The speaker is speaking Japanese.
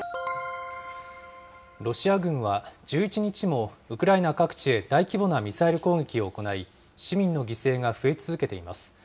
ロシア軍は、１１日もウクライナ各地へ大規模なミサイル攻撃を行い、市民の犠牲が増え続けています。